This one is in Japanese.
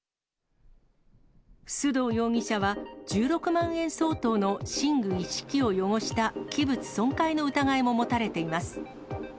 須藤容疑者は、１６万円相当の寝具一式を汚した器物損壊の疑いも持たれています。